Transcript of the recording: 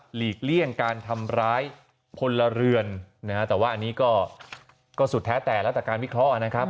หลีกเลี่ยงการทำร้ายพลเรือนนะฮะแต่ว่าอันนี้ก็สุดแท้แต่แล้วแต่การวิเคราะห์นะครับ